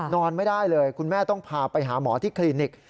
นอนไม่ได้เลยคุณแม่ต้องพาไปหาหมอที่คลินิก